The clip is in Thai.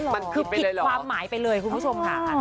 มันคือผิดความหมายไปเลยคุณผู้ชมค่ะ